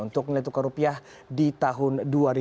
untuk nilai tukar rupiah di tahun dua ribu dua puluh